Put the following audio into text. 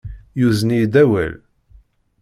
Yuzen-iyi-id awal.